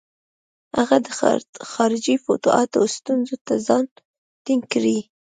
هغه د خارجي فتوحاتو ستونزو ته ځان ټینګ کړي.